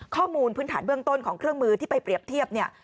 พื้นฐานเบื้องต้นของเครื่องมือที่ไปเปรียบเทียบเนี่ย